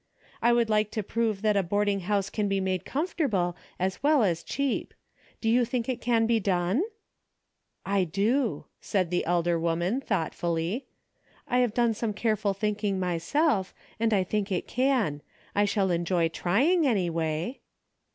I would like to prove that a boarding house can be comfortable as well as cheap. Do you think it can be done ?"" I do," said the elder woman, thoughtfully. "I have done some careful thinking myself, and I think it can. I shall enjoy trying, any way."